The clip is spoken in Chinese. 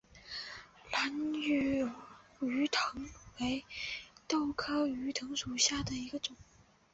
兰屿鱼藤为豆科鱼藤属下的一个种。